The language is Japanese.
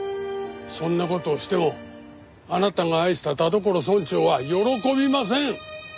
そんな事をしてもあなたが愛した田所村長は喜びません。